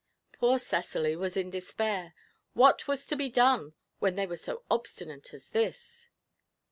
Poor Cecily was in despair; what was to be done when they were so obstinate as this?